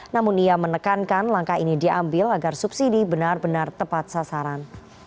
namun ia menekankan langkah ini diambil agar subsidi benar benar tepat sasaran